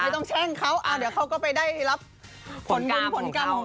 ไม่ต้องแช่งเขาเดี๋ยวเขาก็ไปได้รับผลกรรมของเขา